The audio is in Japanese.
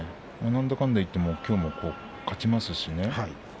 なんだかんだ言っても、きょうも勝ちますしね。